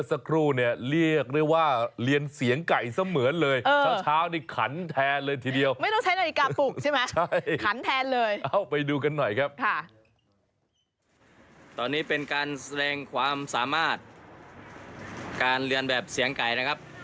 ตอนนี้เป็นการแสดงความสามารถการเรียนแบบเสียงไก่นะครับ